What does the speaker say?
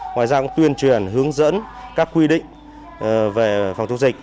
ngoài ra cũng tuyên truyền hướng dẫn các quy định về phòng chống dịch